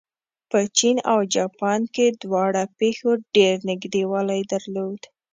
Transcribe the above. په چین او جاپان کې دواړو پېښو ډېر نږدېوالی درلود.